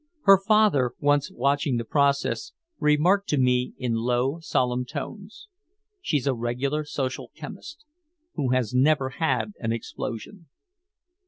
Her father, once watching the process, remarked to me in low, solemn tones: "She's a regular social chemist who has never had an explosion."